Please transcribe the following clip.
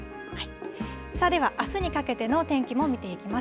さあでは、あすにかけての天気も見ていきます。